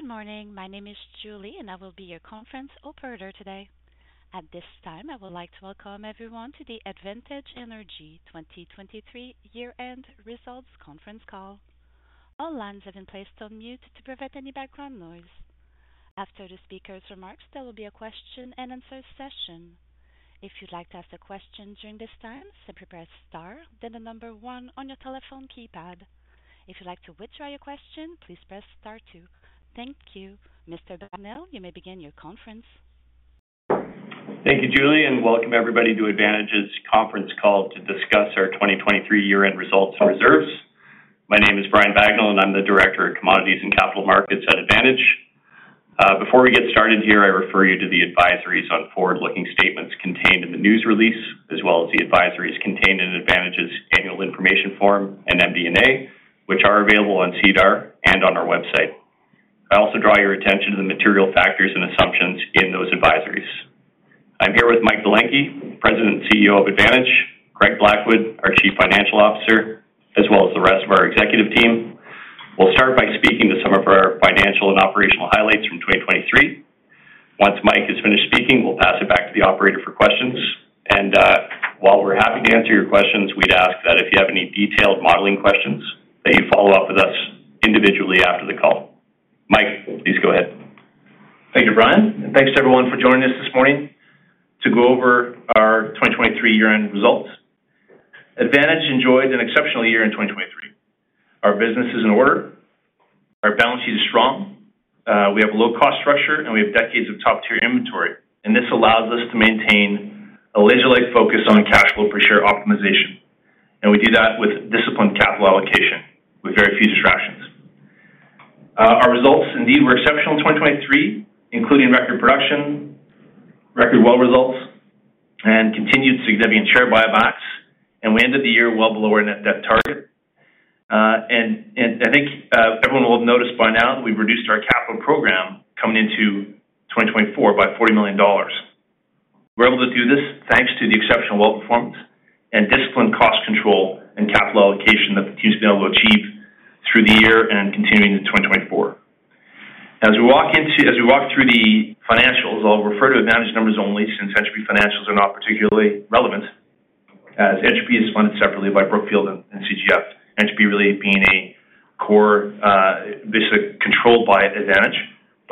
Good morning, my name is Julie and I will be your conference operator today. At this time I would like to welcome everyone to the Advantage Energy 2023 Year-End Results Conference Call. All lines have been placed on mute to prevent any background noise. After the speaker's remarks there will be a question and answer session. If you'd like to ask a question during this time simply press star then the number one on your telephone keypad. If you'd like to withdraw your question please press star two. Thank you. Mr. Bagnell, you may begin your conference. Thank you, Julie, and welcome everybody to Advantage's conference call to discuss our 2023 year-end results and reserves. My name is Brian Bagnell and I'm the Director of Commodities and Capital Markets at Advantage. Before we get started here, I refer you to the advisories on forward-looking statements contained in the news release as well as the advisories contained in Advantage's annual information form and MD&A which are available on SEDAR+ and on our website. I also draw your attention to the material factors and assumptions in those advisories. I'm here with Mike Belenkie, President and CEO of Advantage, Craig Blackwood, our Chief Financial Officer, as well as the rest of our executive team. We'll start by speaking to some of our financial and operational highlights from 2023. Once Mike is finished speaking we'll pass it back to the operator for questions. While we're happy to answer your questions, we'd ask that if you have any detailed modeling questions that you follow up with us individually after the call. Mike, please go ahead. Thank you, Brian, and thanks to everyone for joining us this morning to go over our 2023 year-end results. Advantage enjoyed an exceptional year in 2023. Our business is in order. Our balance sheet is strong. We have a low-cost structure and we have decades of top-tier inventory. This allows us to maintain a laser-like focus on cash flow per share optimization. We do that with disciplined capital allocation with very few distractions. Our results indeed were exceptional in 2023 including record production, record well results, and continued significant share buybacks. We ended the year well below our net debt target. I think everyone will have noticed by now that we've reduced our capital program coming into 2024 by 40 million dollars. We're able to do this thanks to the exceptional well performance and disciplined cost control and capital allocation that the team's been able to achieve through the year and continuing into 2024. As we walk through the financials I'll refer to Advantage numbers only since Entropy financials are not particularly relevant as Entropy is funded separately by Brookfield and CGF. Entropy really being a core basically controlled by Advantage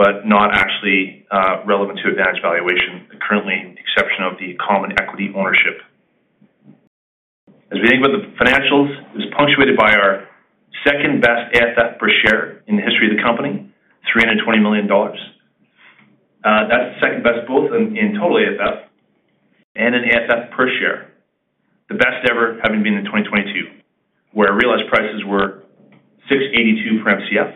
but not actually relevant to Advantage valuation currently with the exception of the common equity ownership. As we think about the financials it was punctuated by our second-best AFF per share in the history of the company, 320 million dollars. That's second-best both in total AFF and in AFF per share. The best ever having been in 2022 where realized prices were 6.82 per MCF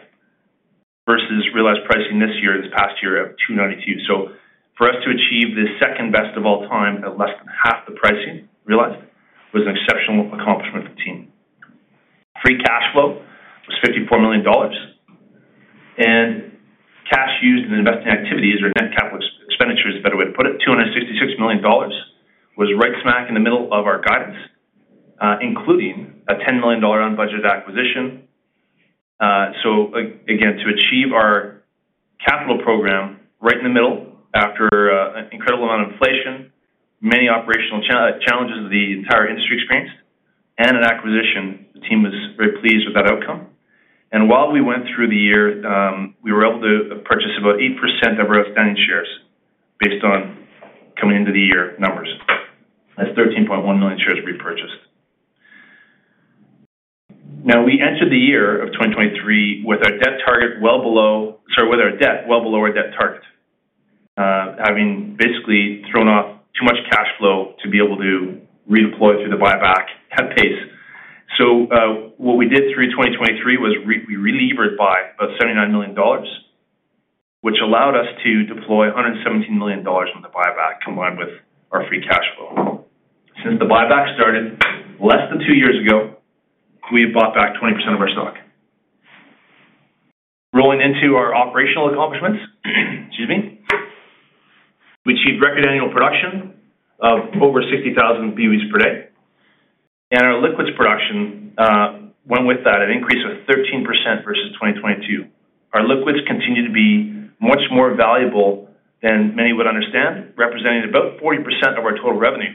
versus realized pricing this year in this past year of 2.92. So for us to achieve this second-best of all time at less than half the pricing realized was an exceptional accomplishment for the team. Free cash flow was 54 million dollars. And cash used in investing activities or net capital expenditure is a better way to put it, 266 million dollars was right smack in the middle of our guidance including a 10 million dollar unbudgeted acquisition. So again to achieve our capital program right in the middle after an incredible amount of inflation, many operational challenges that the entire industry experienced, and an acquisition the team was very pleased with that outcome. And while we went through the year we were able to purchase about 8% of our outstanding shares based on coming into the year numbers. That's 13.1 million shares repurchased. Now we entered the year of 2023 with our debt target well below, sorry, with our debt well below our debt target, having basically thrown off too much cash flow to be able to redeploy through the buyback head pace. So what we did through 2023 was we re-levered by about 79 million dollars, which allowed us to deploy 117 million dollars on the buyback combined with our free cash flow. Since the buyback started less than two years ago, we have bought back 20% of our stock. Rolling into our operational accomplishments, excuse me, we achieved record annual production of over 60,000 BOE per day. Our liquids production went with that, an increase of 13% versus 2022. Our liquids continue to be much more valuable than many would understand, representing about 40% of our total revenue.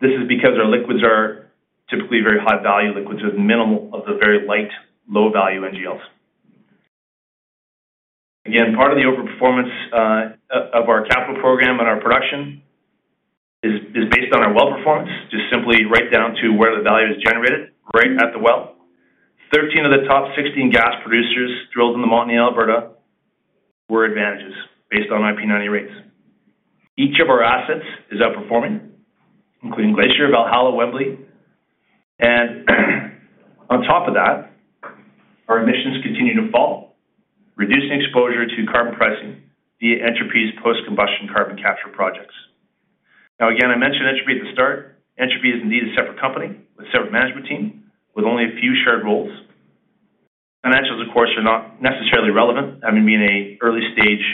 This is because our liquids are typically very high-value liquids with minimal of the very light low-value NGLs. Again, part of the overperformance of our capital program and our production is based on our well performance just simply right down to where the value is generated right at the well. 13 of the top 16 gas producers drilled in the Montney, Alberta were Advantage's based on IP90 rates. Each of our assets is outperforming including Glacier, Valhalla, Wembley. And on top of that our emissions continue to fall reducing exposure to carbon pricing via Entropy's post-combustion carbon capture projects. Now again I mentioned Entropy at the start. Entropy is indeed a separate company with a separate management team with only a few shared roles. Financials of course are not necessarily relevant having been an early-stage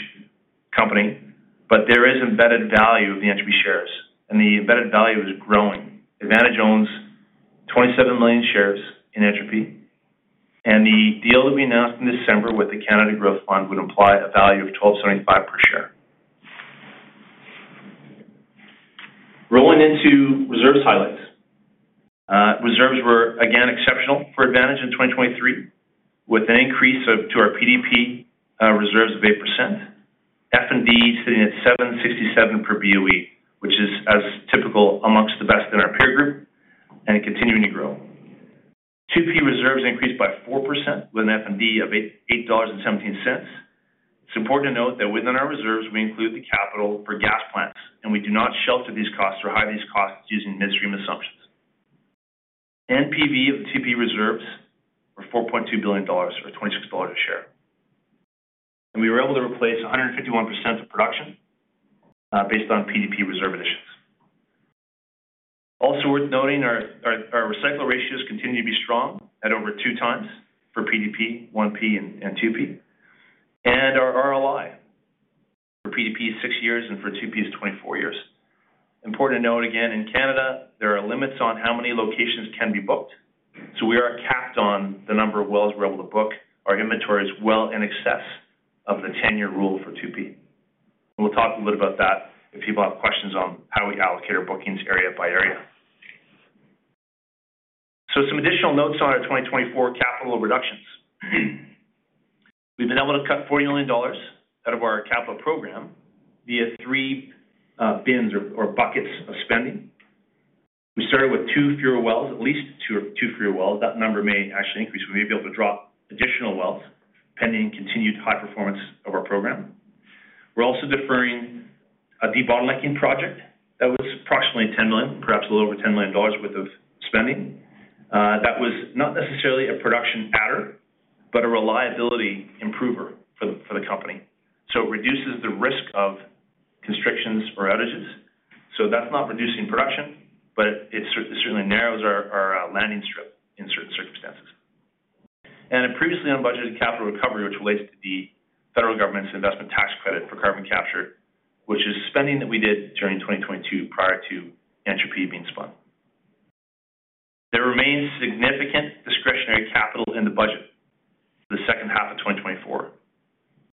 company but there is embedded value of the Entropy shares and the embedded value is growing. Advantage owns 27 million shares in Entropy. The deal that we announced in December with the Canada Growth Fund would imply a value of 1,275 per share. Rolling into reserves highlights. Reserves were again exceptional for Advantage in 2023 with an increase of to our PDP reserves of 8%. F&D sitting at 767 per BOE which is as typical amongst the best in our peer group and continuing to grow. 2P reserves increased by 4% with an F&D of 8.17 dollars. It's important to note that within our reserves we include the capital for gas plants and we do not shelter these costs or hide these costs using midstream assumptions. NPV of the 2P reserves were 4.2 billion dollars or 26 dollars a share. We were able to replace 151% of production based on PDP reserve additions. Also worth noting our recycle ratios continue to be strong at over two times for PDP, 1P, and 2P. Our ROI for PDP is six years and for 2P is 24 years. Important to note again in Canada there are limits on how many locations can be booked. We are capped on the number of wells we're able to book. Our inventory is well in excess of the 10-year rule for 2P. We'll talk a little bit about that if people have questions on how we allocate our bookings area by area. Some additional notes on our 2024 capital reductions. We've been able to cut 40 million dollars out of our capital program via three bins or buckets of spending. We started with two fewer wells, at least two fewer wells. That number may actually increase. We may be able to drop additional wells pending continued high performance of our program. We're also deferring a debottlenecking project that was approximately 10 million, perhaps a little over 10 million dollars worth of spending. That was not necessarily a production adder but a reliability improver for the company. So it reduces the risk of constrictions or outages. So that's not reducing production but it certainly narrows our landing strip in certain circumstances. And a previously unbudgeted capital recovery which relates to the federal government's Investment Tax Credit for carbon capture which is spending that we did during 2022 prior to Entropy being spun. There remains significant discretionary capital in the budget for the second half of 2024.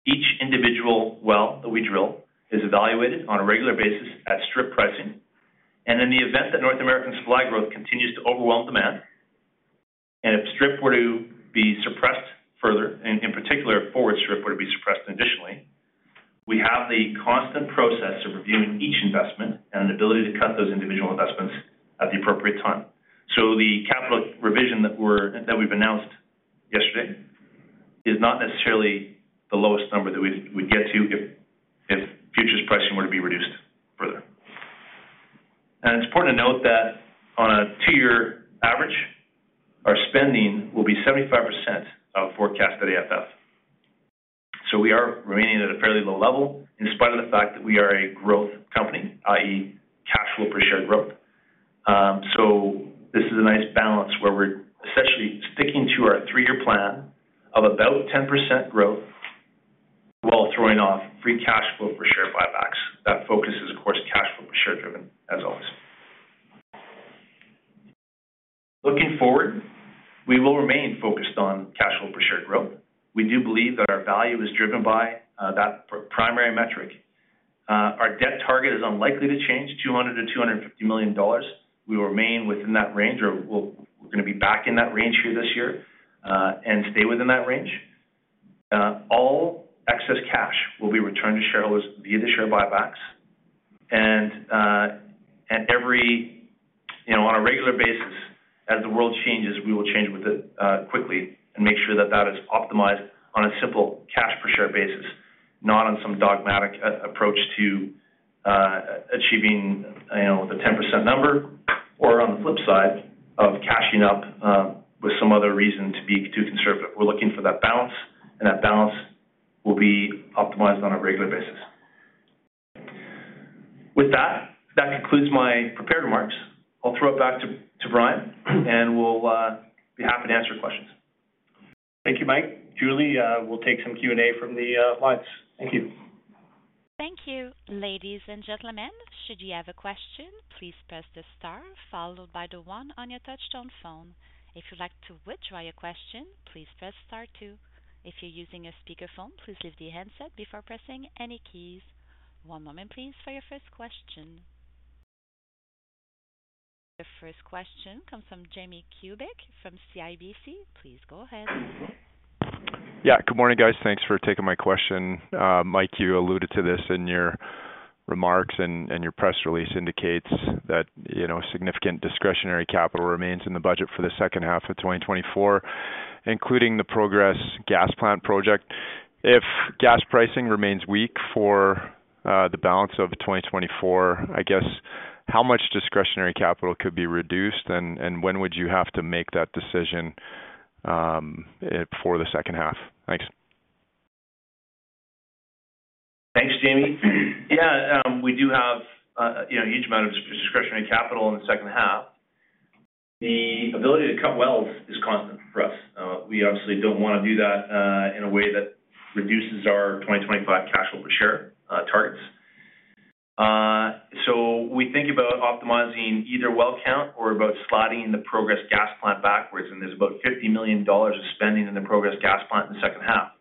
Each individual well that we drill is evaluated on a regular basis at strip pricing. In the event that North American supply growth continues to overwhelm demand and if strip were to be suppressed further, and in particular forward strip were to be suppressed additionally, we have the constant process of reviewing each investment and the ability to cut those individual investments at the appropriate time. The capital revision that we've announced yesterday is not necessarily the lowest number that we'd get to if futures pricing were to be reduced further. It's important to note that on a two-year average our spending will be 75% of forecast at AFF. We are remaining at a fairly low level in spite of the fact that we are a growth company, i.e. cash flow per share growth. This is a nice balance where we're essentially sticking to our three-year plan of about 10% growth while throwing off free cash flow per share buybacks. That focus is of course cash flow per share driven as always. Looking forward we will remain focused on cash flow per share growth. We do believe that our value is driven by that primary metric. Our debt target is unlikely to change, 200 million-250 million dollars. We will remain within that range or we're going to be back in that range here this year and stay within that range. All excess cash will be returned to shareholders via the share buybacks. And every on a regular basis as the world changes we will change with it quickly and make sure that that is optimized on a simple cash per share basis, not on some dogmatic approach to achieving the 10% number or on the flip side of cashing up with some other reason to be too conservative. We're looking for that balance and that balance will be optimized on a regular basis. With that, that concludes my prepared remarks. I'll throw it back to Brian and we'll be happy to answer questions. Thank you, Mike. Julie, we'll take some Q&A from the lines. Thank you. Thank you, ladies and gentlemen. Should you have a question please press the star followed by the one on your touch-tone phone. If you'd like to withdraw your question please press star two. If you're using a speakerphone please leave the handset before pressing any keys. One moment please for your first question. Your first question comes from Jamie Kubik from CIBC. Please go ahead. Yeah. Good morning, guys. Thanks for taking my question. Mike, you alluded to this in your remarks and your press release indicates that significant discretionary capital remains in the budget for the second half of 2024 including the Progress gas plant project. If gas pricing remains weak for the balance of 2024, I guess how much discretionary capital could be reduced and when would you have to make that decision for the second half? Thanks. Thanks, Jamie. Yeah. We do have a huge amount of discretionary capital in the second half. The ability to cut wells is constant for us. We obviously don't want to do that in a way that reduces our 2025 cash flow per share targets. So we think about optimizing either well count or about sliding the Progress gas plant backwards and there's about 50 million dollars of spending in the Progress gas plant in the second half.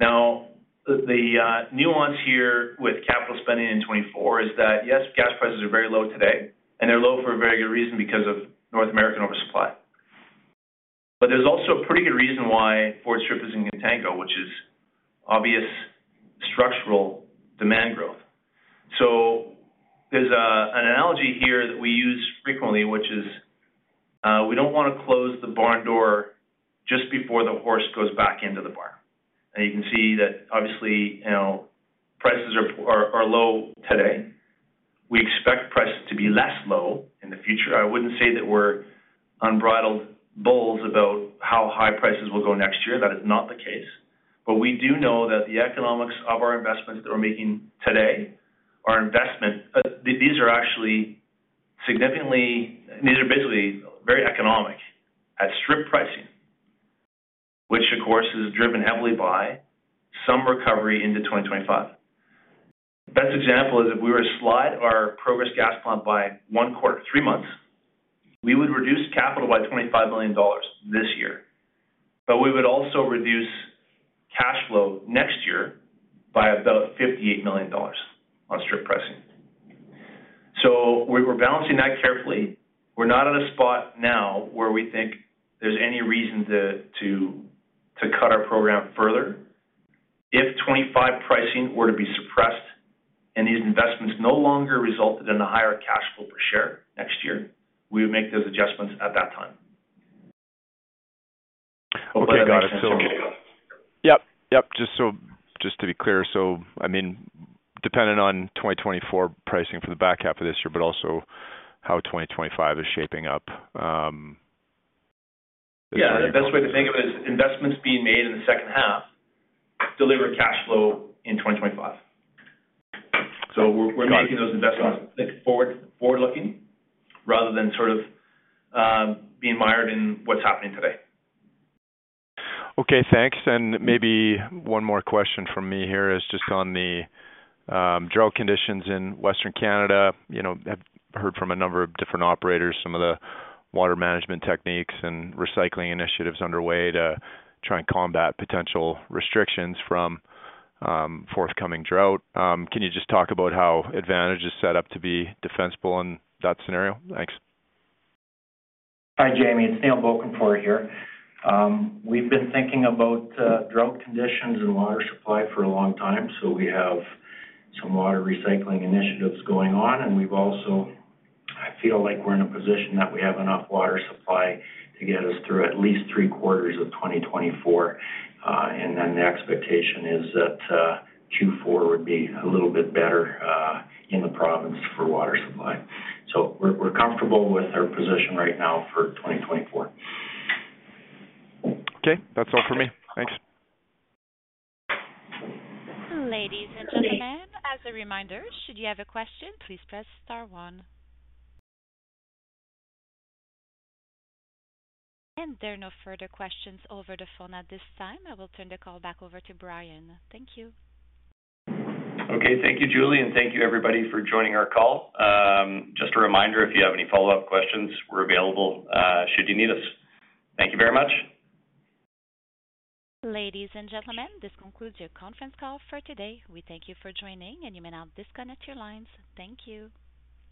Now the nuance here with capital spending in 2024 is that yes, gas prices are very low today and they're low for a very good reason because of North American oversupply. But there's also a pretty good reason why the forward strip is in contango which is obvious structural demand growth. So there's an analogy here that we use frequently which is we don't want to close the barn door just before the horse goes back into the barn. And you can see that obviously prices are low today. We expect prices to be less low in the future. I wouldn't say that we're unbridled bulls about how high prices will go next year. That is not the case. But we do know that the economics of our investments that we're making today are investment these are actually significantly these are basically very economic at strip pricing which of course is driven heavily by some recovery into 2025. Best example is if we were to slide our Progress gas plant by 1 quarter, 3 months, we would reduce capital by 25 million dollars this year. But we would also reduce cash flow next year by about 58 million dollars on strip pricing. So we're balancing that carefully. We're not at a spot now where we think there's any reason to cut our program further. If 2025 pricing were to be suppressed and these investments no longer resulted in a higher cash flow per share next year, we would make those adjustments at that time. Okay. Got it. So. Yep. Yep. Just to be clear, so I mean dependent on 2024 pricing for the back half of this year but also how 2025 is shaping up. Yeah. The best way to think of it is investments being made in the second half deliver cash flow in 2025. So we're making those investments forward-looking rather than sort of being mired in what's happening today. Okay. Thanks. Maybe one more question from me here is just on the drought conditions in Western Canada. I've heard from a number of different operators some of the water management techniques and recycling initiatives underway to try and combat potential restrictions from forthcoming drought. Can you just talk about how Advantage is set up to be defensible in that scenario? Thanks. Hi, Jamie. It's Neil Bokenfohr here. We've been thinking about drought conditions and water supply for a long time. So we have some water recycling initiatives going on and we've also I feel like we're in a position that we have enough water supply to get us through at least three quarters of 2024. And then the expectation is that Q4 would be a little bit better in the province for water supply. So we're comfortable with our position right now for 2024. Okay. That's all from me. Thanks. Ladies and gentlemen, as a reminder, should you have a question please press star one. There are no further questions over the phone at this time. I will turn the call back over to Brian. Thank you. Okay. Thank you, Julie, and thank you, everybody, for joining our call. Just a reminder, if you have any follow-up questions, we're available should you need us. Thank you very much. Ladies and gentlemen, this concludes your conference call for today. We thank you for joining and you may now disconnect your lines. Thank you.